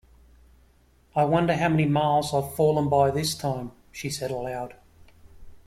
‘I wonder how many miles I’ve fallen by this time?’ she said aloud.